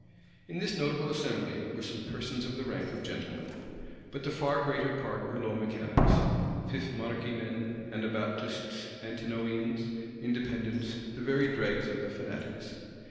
In this notable assembly were some persons of the rank of gentlemen; but the far greater part were low mechanics; Fifth Monarchy men, Anabaptists, Antinomians, Independents; the very dregs of the fanatics.